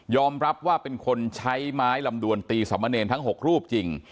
รับว่าเป็นคนใช้ไม้ลำดวนตีสามเนรทั้ง๖รูปจริง